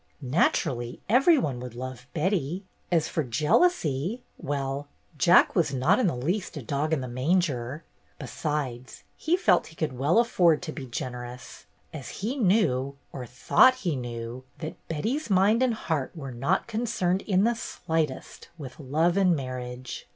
Naturally every one would love Betty. THE GYPSIES 295 As for jealousy, well, Jack was not in the least a dog in the manger ; besides, he felt he could well afford to be generous, as he knew — or thought he knew — that Betty's mind and heart were not concerned in the slightest with love and marriage.